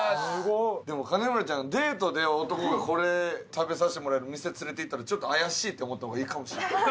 でも金村ちゃんデートで男がこれ食べさせてもらえる店連れていったらちょっと怪しいって思った方がいいかもしれない。